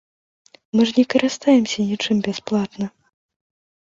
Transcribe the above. Мы ж не карыстаемся нічым бясплатна.